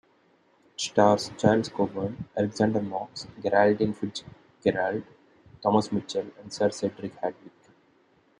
It stars Charles Coburn, Alexander Knox, Geraldine Fitzgerald, Thomas Mitchell and Sir Cedric Hardwicke.